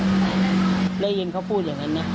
ได้ยินเขาพูดอย่างนั้นนะ